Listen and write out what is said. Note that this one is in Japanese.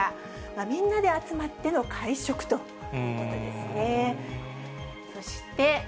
みんなで集まっての会食ということですね。